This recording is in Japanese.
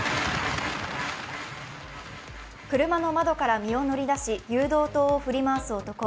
車の窓から身を乗り出し誘導灯を振り回す男。